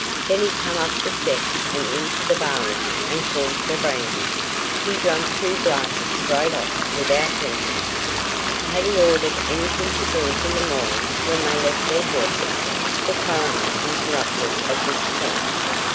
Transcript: Then he come up the steps and into the bar room and called for brandy. He drunk two glasses straight off without blinkin'." "Had he ordered anything to drink in the morning when they left their horses?" the coroner interrupted at this point.